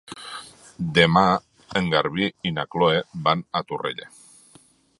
Demà en Garbí i na Chloé van a Torrella.